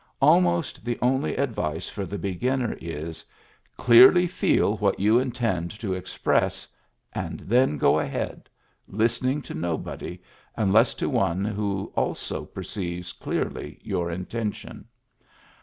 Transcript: Almost the only advice for the beginner is, Clearly feel what you intend to express, and then go ahead, listening to nobody, unless to one who also perceives clearly your intention.